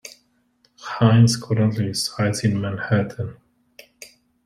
Heinz currently resides in Manhattan.